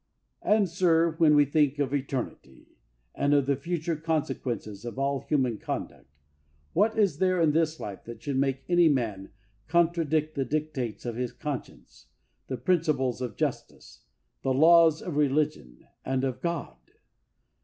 And, sir, when we think of eternity, and of the future consequences of all human conduct, what is there in this life that should make any man contradict the dictates of his conscience, the 69 THE WORLD'S FAMOUS ORATIONS principles of justice, the laws of religion, and of God?